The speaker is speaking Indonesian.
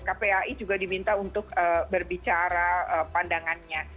kpai juga diminta untuk berbicara pandangannya